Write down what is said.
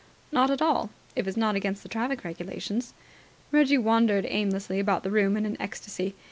"Not at all, if it's not against the traffic regulations." Reggie wandered aimlessly about the room in an ecstasy.